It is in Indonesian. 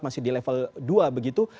masih di level dua begitu